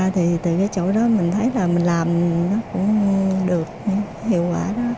thì từ cái chỗ đó mình thấy là mình làm nó cũng được hiệu quả đó